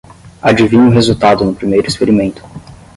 Adivinha o resultado no primeiro experimento.